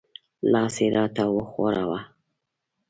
لاس یې را ته وښوراوه.